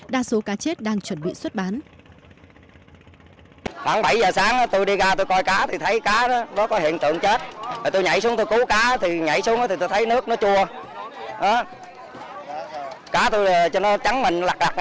đa số cá chết đang chuẩn bị xuất bán